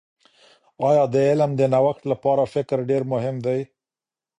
آیا د علم د نوښت لپاره فکر ډېر مهم دي؟